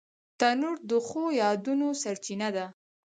تنور د ښو یادونو سرچینه ده